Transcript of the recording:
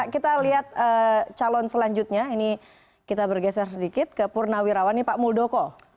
kita lihat calon selanjutnya ini kita bergeser sedikit ke purnawirawani pak muldoko